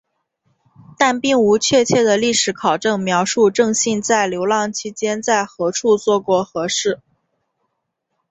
但并无确切的历史考证描述正信在流浪期间在何处做过何事。